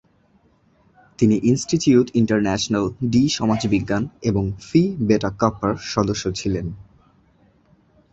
তিনি institute international ডি সমাজবিজ্ঞান এবং ফি বেটা কাপ্পার সদস্য ছিলেন।